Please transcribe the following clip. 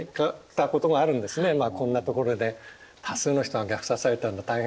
まあこんなところで多数の人が虐殺されたんだ大変